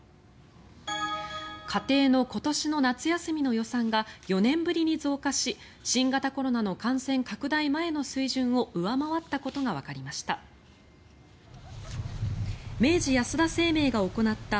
家庭の今年の夏休みの予算が４年ぶりに増加し新型コロナの感染拡大前の水準を上回ったことがわかりました。